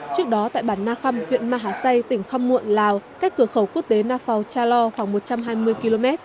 trước đó tại bản na khăm huyện ma hà xây tỉnh khăm muộn lào cách cửa khẩu quốc tế na phào cha lo khoảng một trăm hai mươi km